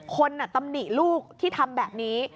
ตำหนิลูกที่ทำแบบนี้